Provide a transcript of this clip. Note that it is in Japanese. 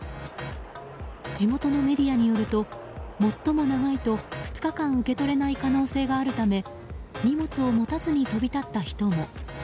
地元のメディアによると最も長いと２日間受け取れない可能性があるため荷物を持たずに飛び立った人も。